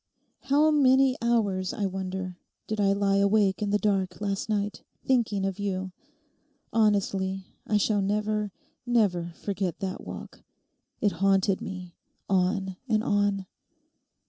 How many hours, I wonder, did I lie awake in the dark last night, thinking of you? Honestly, I shall never, never forget that walk. It haunted me, on and on.